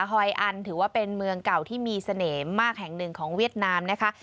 ฮอยอันถือว่าเป็นเมืองเก่าที่มีเสน่ห์มากแห่งหนึ่งของเวียดนามนะคะ